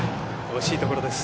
惜しいところです。